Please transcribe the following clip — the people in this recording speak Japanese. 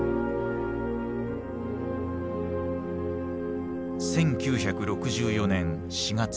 １９６４年４月５日。